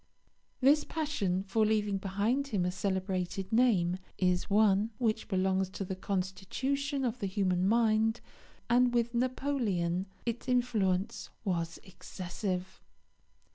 This passion for leaving behind him a celebrated name is one which belongs to the constitution of the human mind; and with Napoleon its influence was excessive.